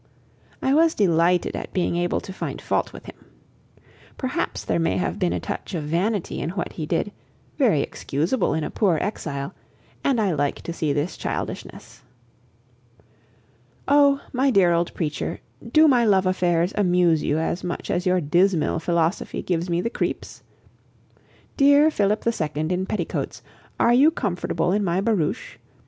I was delighted at being able to find fault with him. Perhaps there may have been a touch of vanity in what he did, very excusable in a poor exile, and I like to see this childishness. Oh! my dear old preacher, do my love affairs amuse you as much as your dismal philosophy gives me the creeps? Dear Philip the Second in petticoats, are you comfortable in my barouche?